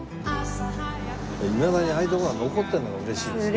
いまだにああいう所が残ってるのが嬉しいですね。